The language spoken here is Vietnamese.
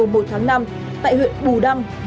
mùa một tháng năm tại huyện bù đăm